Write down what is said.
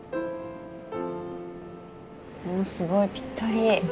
おすごいぴったり。